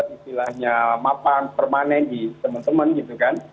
istilahnya mapan permanen di teman teman gitu kan